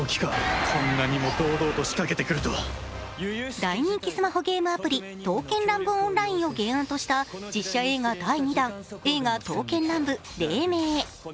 大人気スマホゲームアプリ刀剣乱舞ＯＮＬＩＮＥを原案とした実写映画第２弾「映画刀剣乱舞−黎明−」。